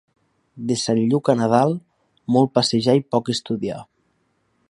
De Sant Lluc a Nadal, molt passejar i poc estudiar.